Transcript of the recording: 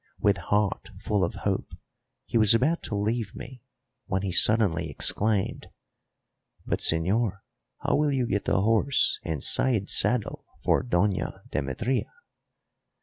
With heart full of hope, he was about to leave me when he suddenly exclaimed, "But, señor, how will you get a horse and side saddle for Doña Demetria?"